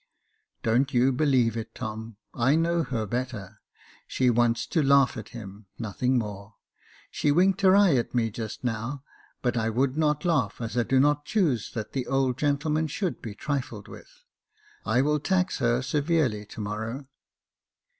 " Don't you believe it, Tom ; I know her better ; she wants to laugh at him ; nothing more ; she winked her eye at me just now, but I would not laugh, as I do not choose that the old gentleman should be trifled with. I will tax her severely to morrow."